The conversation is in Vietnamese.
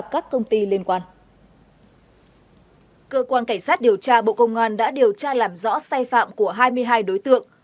cơ quan cảnh sát điều tra bộ công an đã điều tra làm rõ sai phạm của hai mươi hai đối tượng